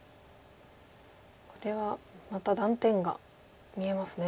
これはまた断点が見えますね。